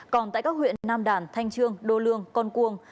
còn tại các huyện nam đàn thanh trương đô lương con cuông